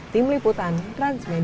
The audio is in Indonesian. tim liputan transmedia